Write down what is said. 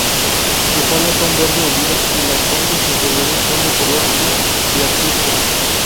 Sus alas son verde oliva y las partes inferiores son de color gris blancuzco.